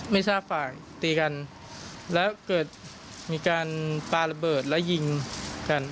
ไม่ทราบฝ่ายตีกันแล้วเกิดมีการปาระเบิดและยิงกัน